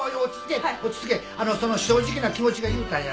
あのその正直な気持ちが言うたんや。